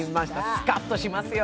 スカッとしますよ。